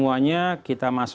kalau misalnya kita sepakat